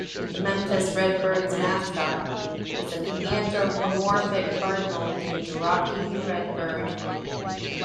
The Memphis Redbirds' mascot is an anthropomorphic cardinal named Rockey the Redbird.